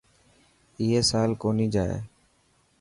اي سال ڪونهي جائي.